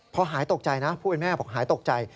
พอหายตกใจนะผู้เป็นแม่บอกหายตกใจ